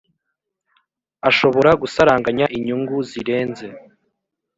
ashobora gusaranganya inyungu zirenze